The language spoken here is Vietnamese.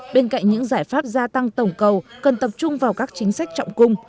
bên cạnh những giải pháp gia tăng tổng cầu cần tập trung vào các chính sách trọng cung